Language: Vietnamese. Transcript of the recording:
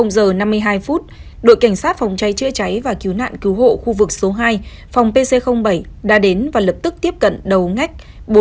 giờ năm mươi hai phút đội cảnh sát phòng cháy chữa cháy và cứu nạn cứu hộ khu vực số hai phòng pc bảy đã đến và lập tức tiếp cận đầu ngách